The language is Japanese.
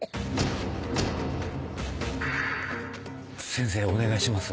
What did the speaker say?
先生お願いします